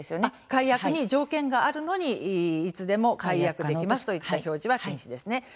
解約に条件があるのにいつでも解約できますといった表示は禁止ですね。